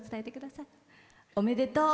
おめでとう。